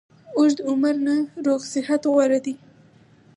اوږد عمر نه روغ صحت غوره ده